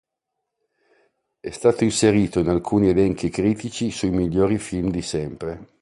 È stato inserito in alcuni elenchi critici sui migliori film di sempre.